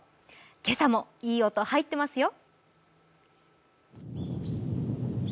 今朝もいい音、入ってますよ。